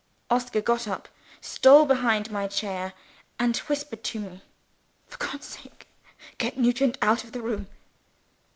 Oscar got up, stole behind my chair, and whispered to me, "For God's sake, get Nugent out of the room!"